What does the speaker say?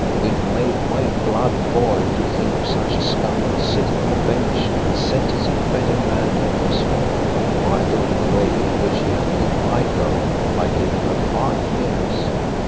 It made my blood boil to think of such a scoundrel sitting on the bench and sentencing better men than himself. I thought of the way in which he had killed my girl by giving her five years.